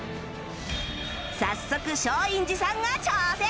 早速松陰寺さんが挑戦！